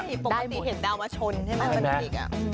ใช่ปกติเห็นดาวมาชนใช่ไหมประมาณนี้อีก